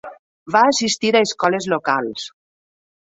Va assistir a escoles locals.